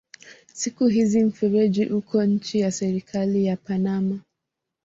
Siku hizi mfereji uko chini ya serikali ya Panama.